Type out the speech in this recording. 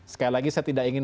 sekali lagi saya tidak ingin